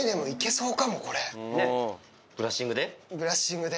ブラッシングで？